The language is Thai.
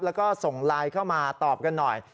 แล้วก็ส่งไลน์เข้ามาตอบกันหน่อย